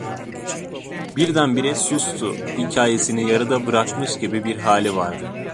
Birdenbire sustu, hikayesini yarıda bırakmış gibi bir hali vardı.